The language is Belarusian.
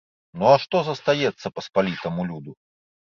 Ну а што застаецца паспалітаму люду?